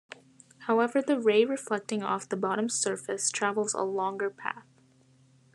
However the ray reflecting off the bottom surface travels a longer path.